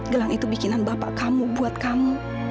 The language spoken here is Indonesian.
gelang itu bikinan bapak kamu buat kamu